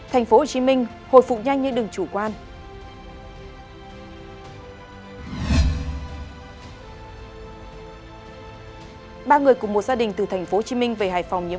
hãy đăng ký kênh để ủng hộ kênh của chúng mình nhé